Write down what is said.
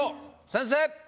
先生！